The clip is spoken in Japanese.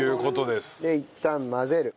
でいったん混ぜる。